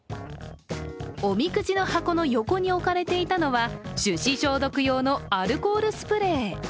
おみくじの箱の横に置かれていたのは手指消毒用のアルコールスプレー。